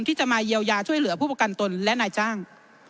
ที่จะมาเยียวยาช่วยเหลือผู้ประกันตนและนายจ้าง